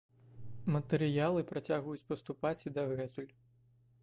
Матэрыялы працягваюць паступаць і дагэтуль.